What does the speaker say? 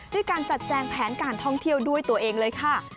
ด้วยการจัดแจงแผนการท่องเที่ยวด้วยตัวเองเลยค่ะ